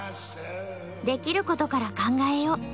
できることから考えよう」。